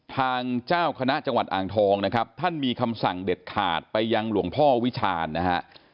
ทางเจ้าคณะจังหวัดอ่างทองนะครับท่านมีคำสั่งเด็ดขาดไปยังหลวงพ่อวิชาญนะฮะ